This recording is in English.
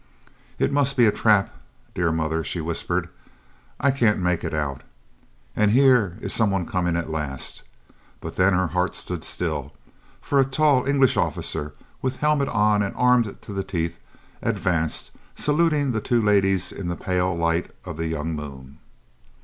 "It must be a trap, dear mother," she whispered. "I can't make it out. Ah, here is some one coming at last" but then her heart stood still, for a tall English officer, with helmet on and armed to the teeth, advanced, saluting the two ladies in the pale light of the young moon.